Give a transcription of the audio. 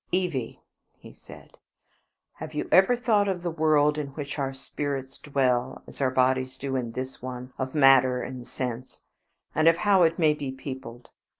"Evie," he said, "have you ever thought of the world in which our spirits dwell, as our bodies do in this one of matter and sense, and of how it may be peopled?